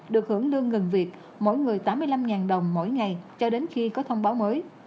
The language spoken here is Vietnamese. được hưởng lương ngừng việc mỗi người tám mươi năm đồng mỗi ngày cho đến khi có thông báo mới